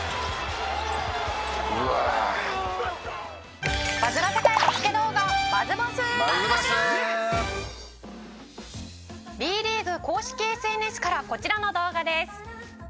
「うわあ」「Ｂリーグ公式ＳＮＳからこちらの動画です」